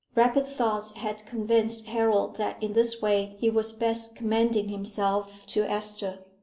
Rapid thoughts had convinced Harold that in this way he was best commending himself to Esther.